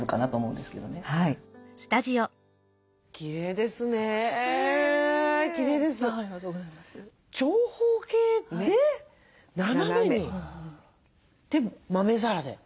で豆皿で。